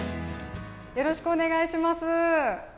よろしくお願いします。